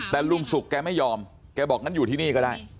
แต่ลุงสุกแกไม่ยอมแกบอกงั้นอยู่ที่นี่ก็ได้